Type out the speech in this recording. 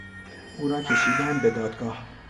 او را کشیدند به دادگاه.